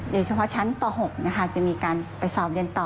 โดยเฉพาะชั้นป๖นะคะจะมีการไปสอบเรียนต่อ